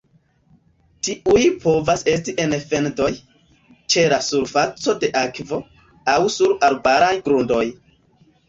Tiuj povas esti en fendoj, ĉe la surfaco de akvo, aŭ sur arbaraj grundoj.